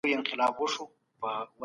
ښه ذهنیت ځواک نه زیانمنوي.